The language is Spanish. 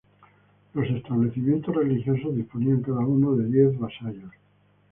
Los establecimientos religiosos disponían cada uno de diez vasallos.